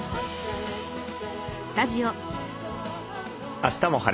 「あしたも晴れ！